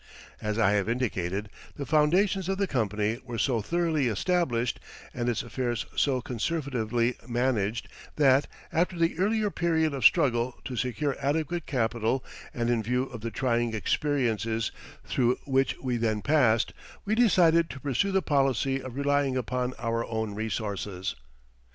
As I have indicated, the foundations of the company were so thoroughly established, and its affairs so conservatively managed, that, after the earlier period of struggle to secure adequate capital and in view of the trying experiences through which we then passed, we decided to pursue the policy of relying upon our own resources.